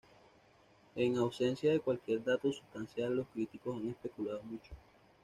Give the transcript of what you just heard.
En ausencia de cualquier dato sustancial, los críticos han especulado mucho.